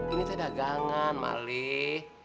ini teh dagangan malik